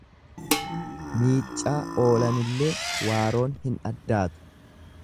Miiccaa oolanillee waaroon hin addaatu.